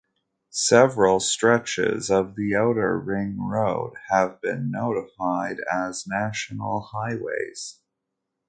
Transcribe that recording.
Several Stretches of the Outer Ring Road have been notified as National Highways.